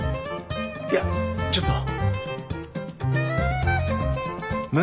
いやちょっと。